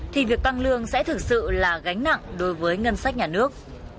thì việc tăng lương sẽ thực sự là gánh nặng đối với ngân sách nhà nước